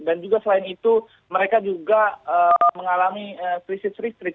dan juga selain itu mereka juga mengalami krisis listrik